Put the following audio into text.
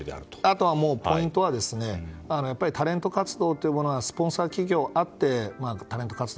あとはポイントはタレント活動というものはスポンサー企業あってのタレント活動。